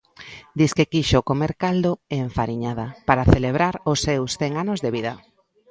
Disque quixo comer caldo e enfariñada, para celebrar os seus cen anos de vida.